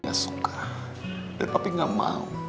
gak suka tapi gak mau